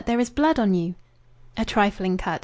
There is blood on you!" "A trifling cut.